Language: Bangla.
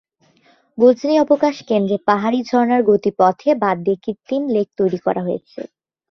গজনী অবকাশ কেন্দ্রে পাহাড়ী ঝর্ণার গতিপথে বাধ দিয়ে কৃত্রিম লেক তৈরি করা হয়েছে।